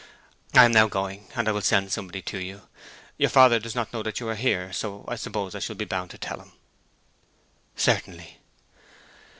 I am now going, and I will send somebody to you. Your father does not know that you are here, so I suppose I shall be bound to tell him?" "Certainly."